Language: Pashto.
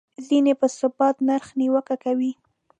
ځینې پر ثابت نرخ نیوکه کوي.